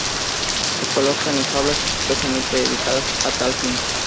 Se colocan en jaulas expresamente dedicadas a tal fin.